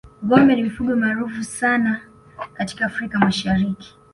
ngombe ni mfugo maarufu sana katika afrika mashariki